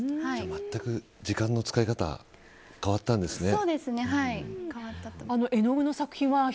全く時間の使い方変わったんですね。